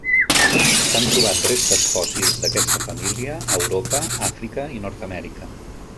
S'han trobat restes fòssils d'aquesta família a Europa, Àfrica i Nord-amèrica.